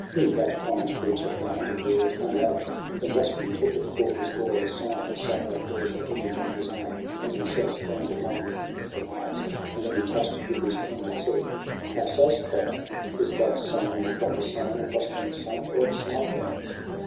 Him that kind creature found, and rearM, and loved — Then Rustum took it for his glorious sign. And Sohrab bared that figure on his arm. And himself scann'd it long with mournful eyes, And then he touch'd it with his hand and said :—' How say'st thou .? Is that sign the proper sign Of Rustum's son, or of some other man's?'